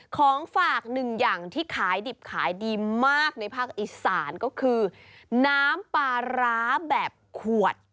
ของฝากหนึ่งอย่างที่ขายดิบขายดีมากในภาคอีสานก็คือน้ำปลาร้าแบบขวด